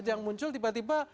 yang muncul tiba tiba